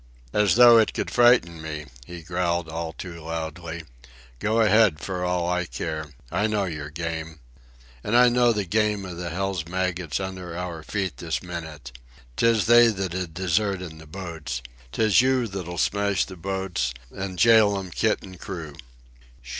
"As though it could fright me," he growled all too loudly. "Go ahead for all I care. I know your game. And I know the game of the hell's maggots under our feet this minute. 'Tis they that'd desert in the boats. 'Tis you that'll smash the boats an' jail 'm kit an' crew."